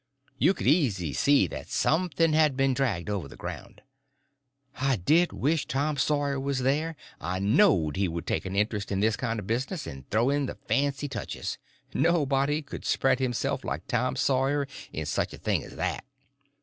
You could easy see that something had been dragged over the ground. I did wish Tom Sawyer was there; I knowed he would take an interest in this kind of business, and throw in the fancy touches. Nobody could spread himself like Tom Sawyer in such a thing as that.